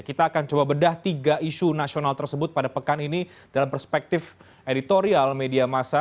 kita akan coba bedah tiga isu nasional tersebut pada pekan ini dalam perspektif editorial media masa